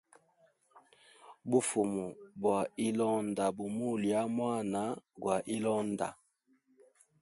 Bufumu bwa hilonda bumulya mwana gwa ilonda.